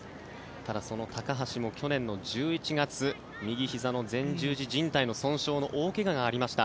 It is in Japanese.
ただ、その高橋も去年の１１月右ひざの前十字じん帯損傷の大怪我がありました。